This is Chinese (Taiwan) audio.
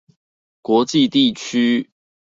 國際地區